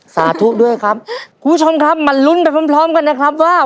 สาธุด้วยครับคุณผู้ชมครับมาลุ้นไปพร้อมพร้อมกันนะครับว่า